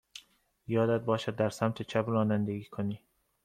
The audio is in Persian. یادت باشد در سمت چپ رانندگی کنی.